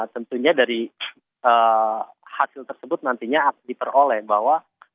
tentunya dari hasil tersebut nantinya diperoleh bahwa